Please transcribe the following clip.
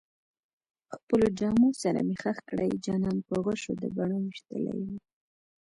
خپلو جامو سره مې خښ کړئ جانان په غشو د بڼو ويشتلی يمه